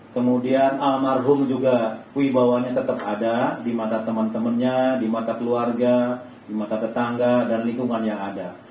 kemudian almarhum juga wibawanya tetap ada di mata teman temannya di mata keluarga di mata tetangga dan lingkungan yang ada